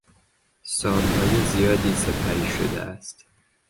سالهای زیادی سپری شده است.